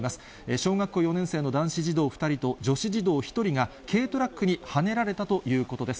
小学校４年生の男子児童２人と女子児童１人が軽トラックにはねられたということです。